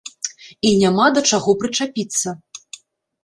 І няма да чаго прычапіцца.